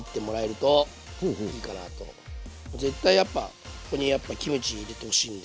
絶対やっぱここにやっぱキムチ入れてほしいんで。